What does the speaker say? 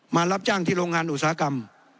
รับจ้างที่โรงงานอุตสาหกรรม